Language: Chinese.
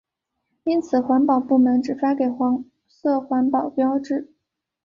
因此环保部门只发给黄色环保标志。